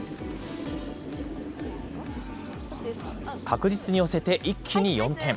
確実に寄せて、一気に４点。